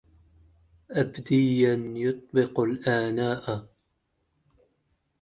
أبديّاً يُطبِّقُ الآناءَ